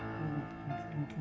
bagas dicari sama polisi bu